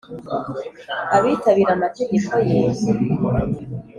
abitabira amategeko ye.